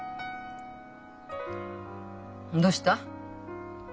どうした？